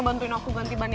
bantuin aku ganti ban ya